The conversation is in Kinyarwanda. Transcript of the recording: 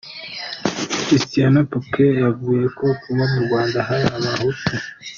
Christian Paper yavuze ko kuba mu Rwanda hari abahutu